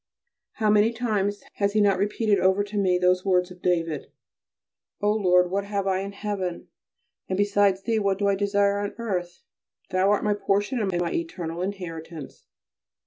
How many times has he not repeated over to me those words of David: "O! Lord, what have I in heaven, and besides Thee what do I desire on earth? Thou art my portion and my eternal inheritance."